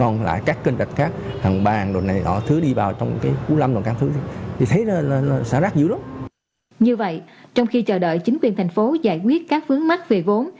như vậy trong khi chờ đợi chính quyền thành phố giải quyết các vướng mắt về vốn